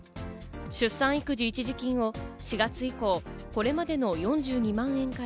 出産育児一時金を４月以降、これまでの４２万円から